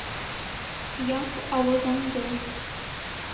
Яп ауыҙыңды!